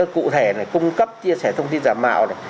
cụ thể là cung cấp chia sẻ thông tin giả mạo này